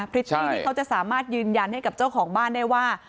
พริตตี้ที่เขาจะสามารถยืนยันให้กับเจ้าของบ้านได้ว่า